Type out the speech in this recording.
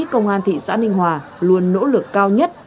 công an thị xã ninh hòa luôn nỗ lực cao nhất